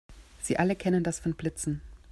Sie alle kennen das von Blitzen.